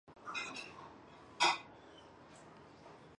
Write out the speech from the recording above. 前肢的第三指也随者时间而逐渐缩小。